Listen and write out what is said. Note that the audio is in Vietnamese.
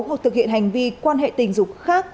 hoặc thực hiện hành vi quan hệ tình dục khác